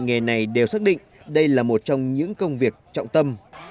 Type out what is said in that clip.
nghề này đều xác định đây là một trong những công việc trọng tâm